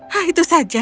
hah itu saja